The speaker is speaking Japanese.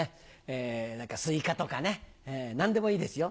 スイカとかね何でもいいですよ。